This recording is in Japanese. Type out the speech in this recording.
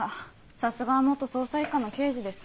さすがは捜査一課の刑事です。